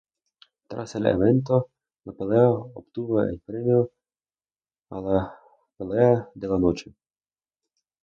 Tras el evento, la pelea obtuvo el premio a la "Pelea de la Noche".